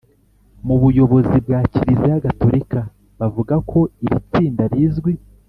mu buyobozi bwa kiliziya gatolika bavuga ko iri tsinda rizwi